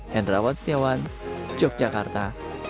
hendra watsitiawan yogyakarta